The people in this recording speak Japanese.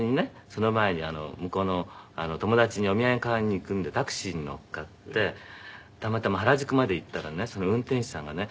その前に向こうの友達にお土産買いに行くんでタクシーに乗っかってたまたま原宿まで行ったらねその運転手さんがね